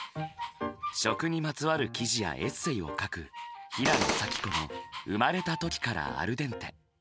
食にまつわる記事やエッセイを書く平野紗季子の「生まれた時からアルデンテ」。